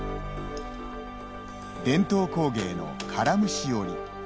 伝統工芸の「からむし織」。